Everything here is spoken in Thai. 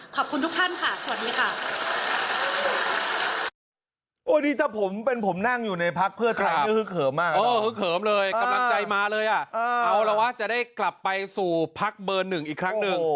ขอบคุณทุกท่านค่ะสวัสดีค่ะ